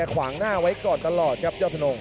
ควางหน้าไว้ก่อนตลอดครับ